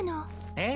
えっ？